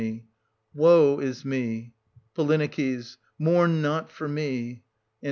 Woe is me! Po. Mourn not for me. An.